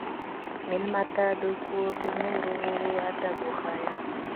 مېلمه ته د کور د نورو غړو ادب وښایه.